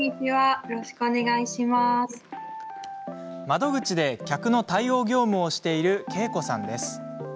窓口で客の対応業務をしているけいこさんです。